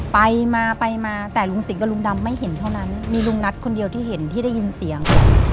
ไปมาไปมาแต่ลุงสิงกับลุงดำไม่เห็นเท่านั้นมีลุงนัทคนเดียวที่เห็นที่ได้ยินเสียง